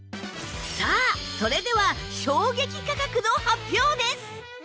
さあそれでは衝撃価格の発表です！